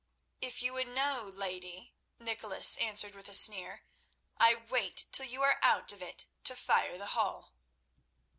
"If you would know, lady," Nicholas answered with a sneer, "I wait till you are out of it to fire the hall."